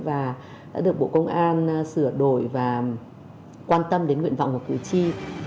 và đã được bộ công an sửa đổi và quan tâm đến nguyện vọng của cử tri